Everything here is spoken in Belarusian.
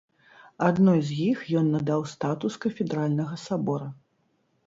Адной з іх ён надаў статус кафедральнага сабора.